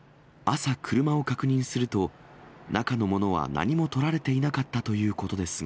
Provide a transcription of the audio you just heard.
朝、車を確認すると、中のものは何もとられていなかったということですが。